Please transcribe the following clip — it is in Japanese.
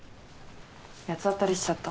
八つ当たりしちゃった。